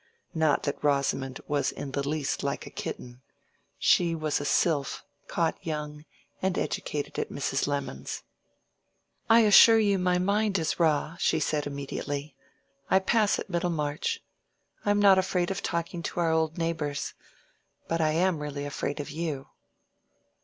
Not that Rosamond was in the least like a kitten: she was a sylph caught young and educated at Mrs. Lemon's. "I assure you my mind is raw," she said immediately; "I pass at Middlemarch. I am not afraid of talking to our old neighbors. But I am really afraid of you."